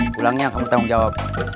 pulangnya kamu tanggung jawab